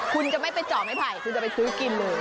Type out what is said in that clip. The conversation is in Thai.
คุณจะไม่ไปเจาะไม้ไผ่คุณจะไปซื้อกินเลย